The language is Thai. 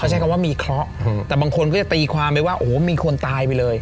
ใช้คำว่ามีเคราะห์แต่บางคนก็จะตีความไปว่าโอ้โหมีคนตายไปเลย